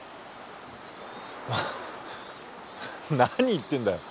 何言ってんだよ。